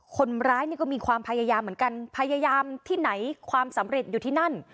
คนร้ายนี่ก็มีความพยายามเหมือนกันพยายามที่ไหนความสำเร็จอยู่ที่นั่น